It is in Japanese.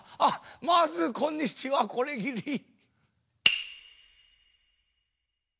あっまずこんにちはこれぎり。